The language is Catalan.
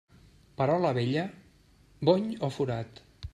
Perola vella, bony o forat.